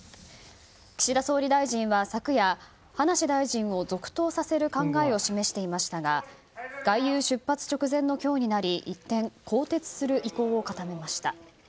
岸田総理大臣は昨夜葉梨大臣を続投させる考えを示していましたが外遊出発直前の今日になり一転更迭する意向を固めました。